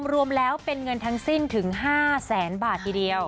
รวมแล้วเป็นเงินทั้งสิ้นถึง๕แสนบาททีเดียว